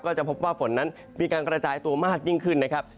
จะพบว่าฝนนั้นมีการกระจายตัวมากยิ่งขึ้นนะครับ